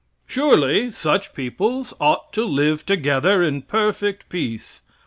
Surely, such peoples ought to live together in perfect peace.